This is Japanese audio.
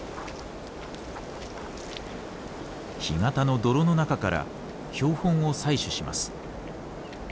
干潟の泥の中から標本を採取します。